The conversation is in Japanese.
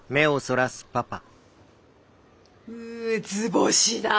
う図星だ。